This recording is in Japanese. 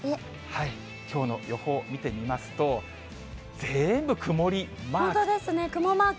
きょうの予報見てみますと、全部曇りマーク。